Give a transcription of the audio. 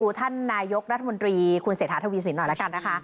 กูท่านนายกรัฐมนตรีคุณเสถาธวีสินหน่อยละกันนะคะ